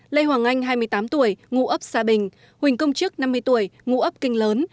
lê hoàng anh hai mươi tám tuổi ngụ ấp xa bình huỳnh công trước năm mươi tuổi ngụ ấp kinh lớn